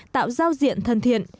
tạo giao diện thân thiện